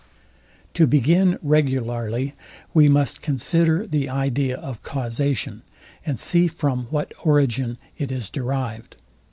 To begin regularly, we must consider the idea of causation, and see from what origin it is derived.